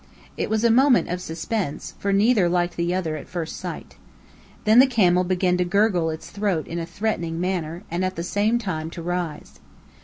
It was a moment of suspense, for neither liked the other at first sight. The camel began to gurgle its throat in a threatening manner, and at the same time to rise.